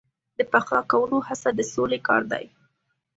د پخلا کولو هڅه د سولې کار دی.